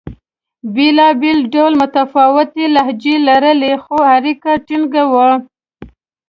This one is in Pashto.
بېلابېلو ډلو متفاوتې لهجې لرلې؛ خو اړیکه ټینګه وه.